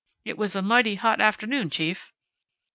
It was a mighty hot afternoon, chief!"